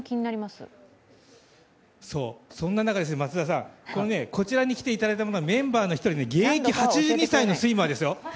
そんな中、こちらに来ていただいたのはメンバーの一人現役８２歳のスイマーですよ。